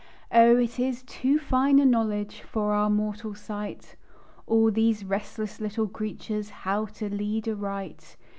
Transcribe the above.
Oh, it is "too fine a knowledge" For our mortal sight, All these restless little creatures How to lead aright.